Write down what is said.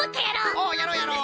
おっやろうやろう。